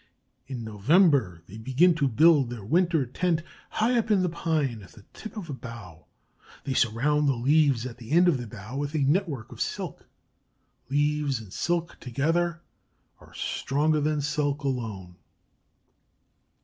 In November they begin to build their winter tent high up in the pine at the tip of a bough. They surround the leaves at the end of the bough with a network of silk. Leaves and silk together are stronger than silk alone.